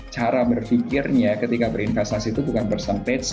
cara berpikirnya ketika berinvestasi itu bukan ber centrage